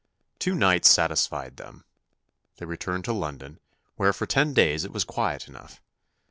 Two nights satisfied them. They returned to London, where for ten days it was quiet enough.